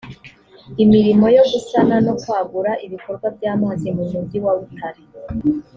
imirimo yo gusana no kwagura ibikorwa by amazi mu mujyi wa butare